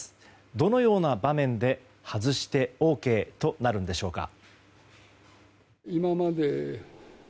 どのような場面で外してＯＫとなるのでしょうか。